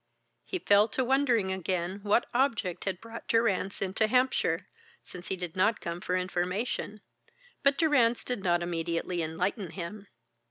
He fell to wondering again what object had brought Durrance into Hampshire, since he did not come for information; but Durrance did not immediately enlighten him.